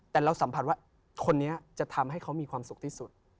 แต่เราสัมผัสว่าคนนี้จะทำให้เขามีความสุขที่สุด